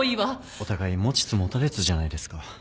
お互い持ちつ持たれつじゃないですか。